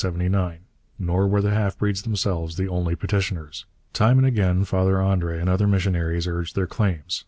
Nor were the half breeds themselves the only petitioners. Time and again Father André and other missionaries urged their claims.